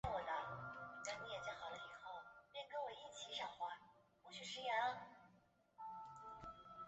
赫氏海猪鱼为隆头鱼科海猪鱼属的鱼类。